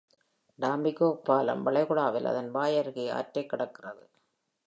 Tampico பாலம் வளைகுடாவில் அதன் வாய் அருகே ஆற்றைக் கடக்கிறது.